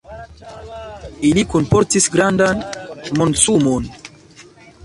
Ili kunportis grandan monsumon.